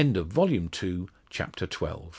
Volume Two, Chapter XIII.